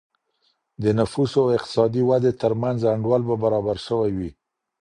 د نفوسو او اقتصادي ودي ترمنځ انډول به برابر سوی وي.